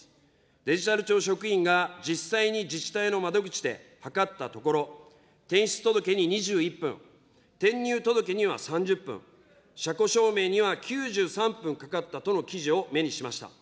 デジタル庁職員が実際に自治体の窓口で測ったところ、転出届に２１分、転入届には３０分、車庫証明には９３分かかったとの記事を目にしました。